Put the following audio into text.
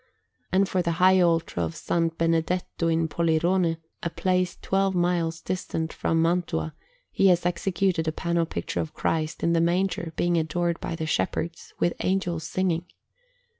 And for the high altar of S. Benedetto in Pollirone, a place twelve miles distant from Mantua, he has executed a panel picture of Christ in the Manger being adored by the Shepherds, with Angels singing.